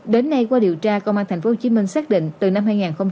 đến nay qua điều tra công an tp hcm xác định từ năm hai nghìn một mươi ba